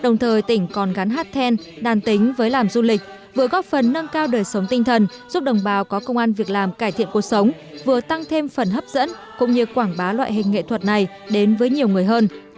đồng thời tỉnh còn gắn hát then đàn tính với làm du lịch vừa góp phần nâng cao đời sống tinh thần giúp đồng bào có công an việc làm cải thiện cuộc sống vừa tăng thêm phần hấp dẫn cũng như quảng bá loại hình nghệ thuật này đến với nhiều người hơn